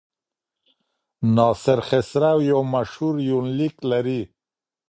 ناصر خسرو یو مشهور یونلیک لري.